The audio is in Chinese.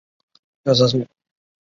有栖川宫第六代当主。